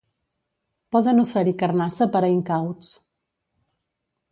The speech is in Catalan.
Poden oferir carnassa per a incauts.